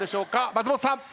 松本さん。